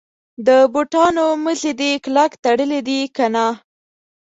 د بوټانو مزي دي کلک تړلي دي کنه.